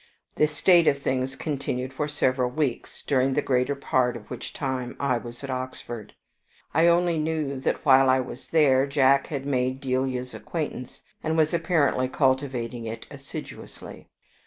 This state of things continued for several weeks, during the greater part of which time I was at Oxford. I only knew that while I was there, Jack had made Delia's acquaintance, and was apparently cultivating it assiduously.